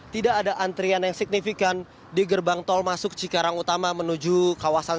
tidak ada antrian yang signifikan di gerbang tol masuk cikarang utama menuju kawasan